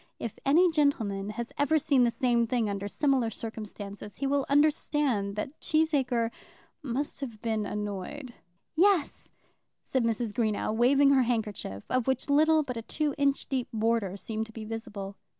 If any gentleman has ever seen the same thing under similar circumstances, he will understand that Cheesacre must have been annoyed. "Yes," said Mrs. Greenow, waving her handkerchief, of which little but a two inch deep border seemed to be visible.